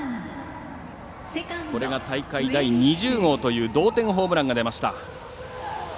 これが大会第２０号という同点ホームランが出ました。